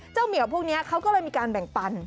เหมียวพวกนี้เขาก็เลยมีการแบ่งปัน